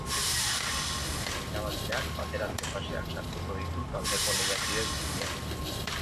Gaurko jokoko irabazleak bateratze fasean sartuko ditu taldeko lehiakide guztiak.